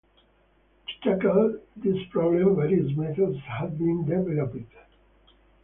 To tackle this problem various methods have been developed.